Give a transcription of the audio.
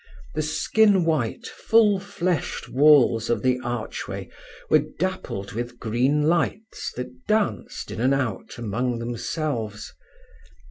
The skin white, full fleshed walls of the archway were dappled with green lights that danced in and out among themselves.